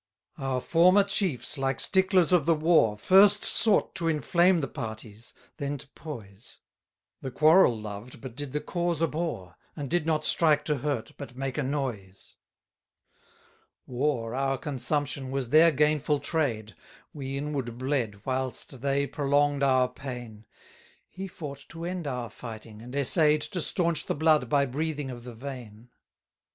11 Our former chiefs, like sticklers of the war, First sought to inflame the parties, then to poise: The quarrel loved, but did the cause abhor; And did not strike to hurt, but make a noise. 12 War, our consumption, was their gainful trade: We inward bled, whilst they prolong'd our pain; He fought to end our fighting, and essay'd To staunch the blood by breathing of the vein.